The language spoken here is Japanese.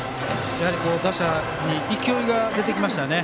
打者に勢いが出てきましたね。